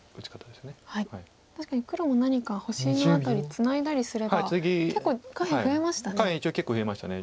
確かに黒も何か星の辺りツナいだりすれば結構下辺増えましたね。